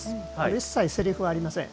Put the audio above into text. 一切せりふはありません。